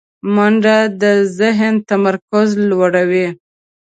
منډه د ذهن تمرکز لوړوي